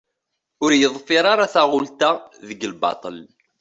Ur yeḍfir ara taɣult-a deg lbaṭṭel.